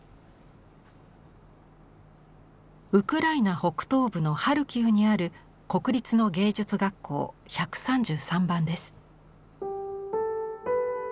ウクライナ北東部のハルキウにある国立の芸術学校１３３番です。